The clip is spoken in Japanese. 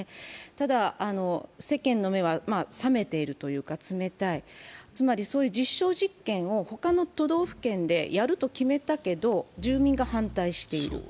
ただ、世間の目は冷めているというか冷たい、つまり、実証実験をほかの都道府県でやると決めたけど、住民が反対している。